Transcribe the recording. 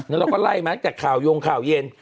แล้วเราก็ไล่มาจากข่าวโยงข่าวเย็น